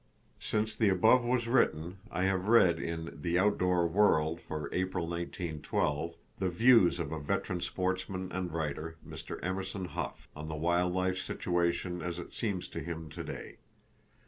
Since the above was written, I have read in the Outdoor World for April, 1912, the views of a veteran sportsman and writer, Mr. Emerson Hough, on the wild life situation as it seems to him to day.